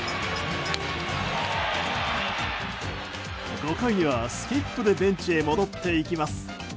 ５回にはスキップでベンチに戻っていきます。